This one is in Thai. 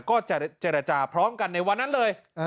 ก็จะเจรจาพร้อมกันในวันนั้นเลย